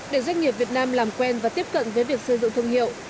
để doanh nghiệp việt nam làm quen và tiếp cận với việc xây dựng thương hiệu